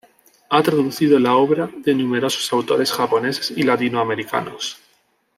Ha traducido la obra de numerosos autores japoneses y latinoamericanos.